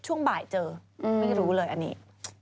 ช่วงบ่ายเจอไม่รู้เลยอันนี้